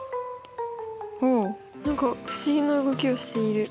おお何か不思議な動きをしている。